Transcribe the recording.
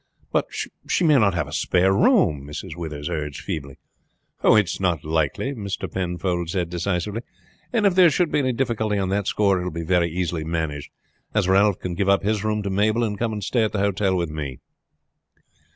"But she may not have a spare room," Mrs. Withers urged feebly. "It is not likely," Mr. Penfold said decisively; "and if there should be any difficulty on that score it will be very easily managed, as Ralph can give up his room to Mabel, and come and stay at the hotel with me."